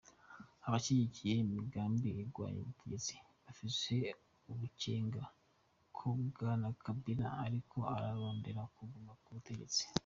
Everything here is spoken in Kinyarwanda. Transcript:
Abashigikiye imigambwe igwanya ubutegetsi bafise amakenga ko Bwana Kabila ariko ararondera kuguma ku butegetsi.